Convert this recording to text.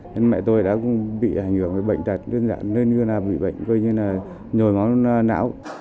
nên mẹ tôi đã bị ảnh hưởng với bệnh tật nên như là bị bệnh coi như là nhồi máu não